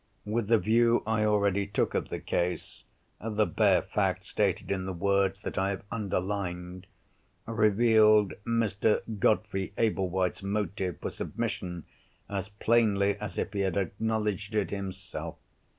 With the view I already took of the case, the bare fact stated in the words that I have underlined, revealed Mr. Godfrey Ablewhite's motive for submission as plainly as if he had acknowledged it himself.